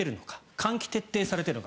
換気が徹底されているのか。